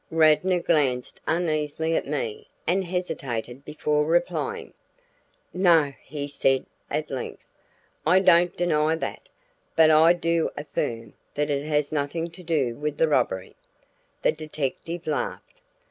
Radnor glanced uneasily at me and hesitated before replying. "No," he said at length, "I don't deny that, but I do affirm that it has nothing to do with the robbery." The detective laughed.